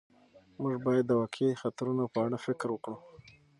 موږ باید د واقعي خطرونو په اړه فکر وکړو.